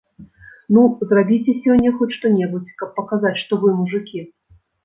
Ну, зрабіце сёння хоць што-небудзь, каб паказаць, што вы мужыкі!